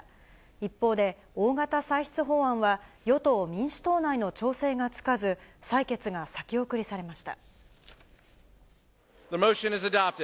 一方で大型歳出法案は、与党・民主党内の調整がつかず、採決が先送りされました。